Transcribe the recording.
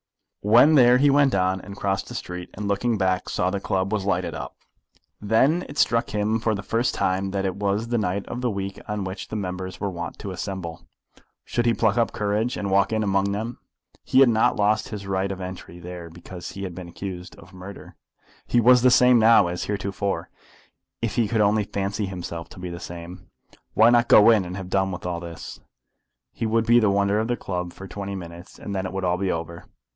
When there he went on, and crossed the street, and looking back saw the club was lighted up. Then it struck him for the first time that it was the night of the week on which the members were wont to assemble. Should he pluck up courage, and walk in among them? He had not lost his right of entry there because he had been accused of murder. He was the same now as heretofore, if he could only fancy himself to be the same. Why not go in, and have done with all this? He would be the wonder of the club for twenty minutes, and then it would all be over.